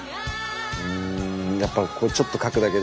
うんやっぱこうちょっとかくだけでも。